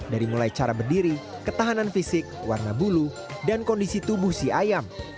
dari mulai cara berdiri ketahanan fisik warna bulu dan kondisi tubuh si ayam